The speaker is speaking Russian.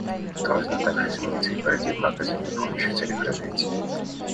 Должна также измениться и парадигма оказания помощи в целях развития.